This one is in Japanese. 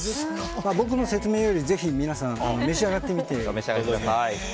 僕の説明よりぜひ、皆さん召し上がってみてください。